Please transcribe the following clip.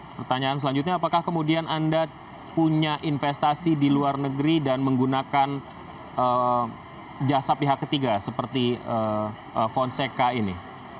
pertanyaan selanjutnya apakah kemudian anda punya investasi di luar negeri dan menggunakan jasa pihak ketiga seperti fonseca ini